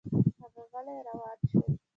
هغه غلی روان شو.